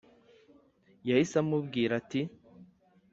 yahise amubwira ati: